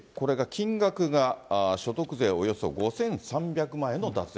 金額が、所得税およそ５３００万円の脱税。